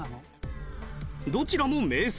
どちらも名産。